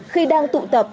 khi đang tụ tập